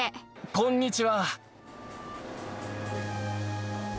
こんにちは。